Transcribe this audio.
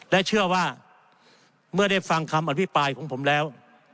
และเชื่อว่าเมื่อได้ฟังคำอภิปรายของผมแล้ว